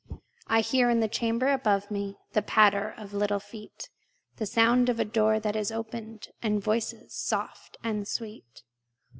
I hear in the chamber above me The patter of little feet, The sound of a door that is opened, And voices soft and sweet.